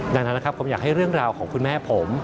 ดังนั้นนะครับผมอยากให้เรื่องราวของคุณแม่ผม